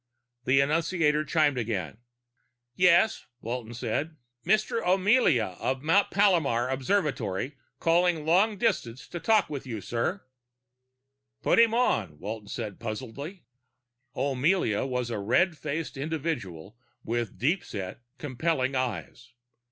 The annunciator chimed again. "Yes?" Walton said. "Mr. O'Mealia of Mount Palomar Observatory, calling long distance to talk to you, sir." "Put him on," Walton said puzzledly. O'Mealia was a red faced individual with deep set, compelling eyes.